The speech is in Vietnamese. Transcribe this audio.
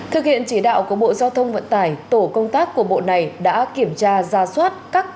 thực hiện chỉ đạo của bộ giao thông vận tải tổ công tác của bộ này đã kiểm tra ra soát